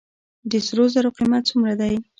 د سرو زرو قیمت څومره دی؟